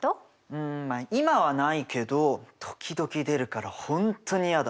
うん今はないけど時々出るから本当に嫌だ。